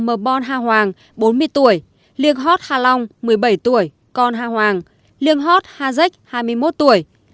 mờ bon hà hoàng bốn mươi tuổi liêng hót hà long một mươi bảy tuổi con hà hoàng liêng hót hà dách hai mươi một tuổi